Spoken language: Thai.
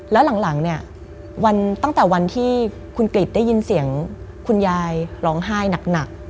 แล้วหลังเนี่ยวันตั้งแต่วันที่คุณกริจได้ยินเสียงคุณยายร้องไห้หนัก